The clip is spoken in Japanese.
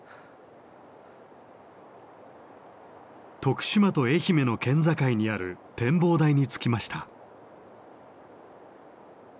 徳島と愛媛の県境にある展望台に着きました。